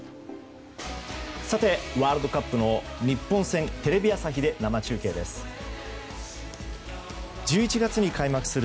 さて、ワールドカップの日本戦テレビ朝日で生中継です。